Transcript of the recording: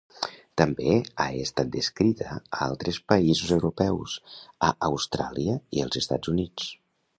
També ha estat descrita a altres països europeus, a Austràlia i els Estats Units.